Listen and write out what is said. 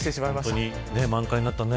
本当に満開になったね。